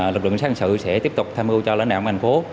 lực lượng xã hội sẽ tiếp tục tham ưu cho lãnh đạo ngành phố